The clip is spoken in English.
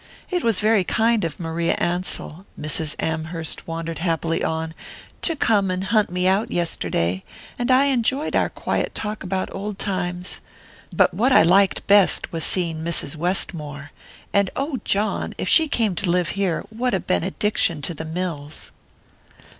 It was very kind of Maria Ansell," Mrs. Amherst wandered happily on, "to come and hunt me out yesterday, and I enjoyed our quiet talk about old times. But what I liked best was seeing Mrs. Westmore and, oh, John, if she came to live here, what a benediction to the mills!"